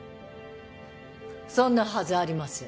そんなはずありません。